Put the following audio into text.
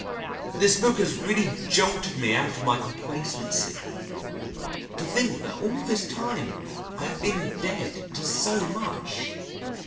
This book has really jolted me out of my complacency: to think that all this time, I have been dead to so much!